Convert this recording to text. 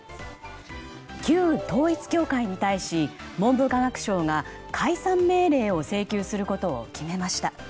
旧統一教会に対し文部科学省が解散命令を請求することを決めました。